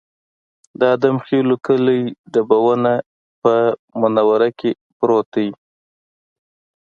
د ادم خېلو کلی ډبونه په منوره کې پروت دی